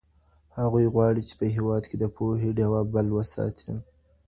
هغوی غواړي چي په هېواد کي د پوهي ډېوه بل وساتي.